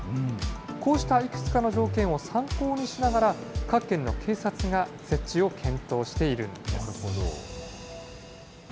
こうしたいくつかの条件を参考にしながら、各県の警察が設置を検討しているんです。